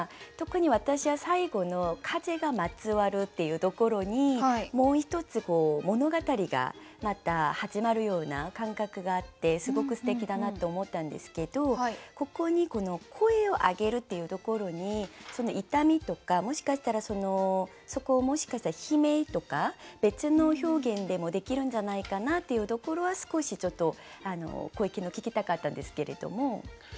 特に私は最後の「風がまつわる」っていうところにもう一つ物語がまた始まるような感覚があってすごくすてきだなと思ったんですけどここにこの「声を上げる」っていうところに痛みとかもしかしたらそこをもしかしたら悲鳴とか別の表現でもできるんじゃないかなっていうところは少しちょっとご意見を聞きたかったんですけれども。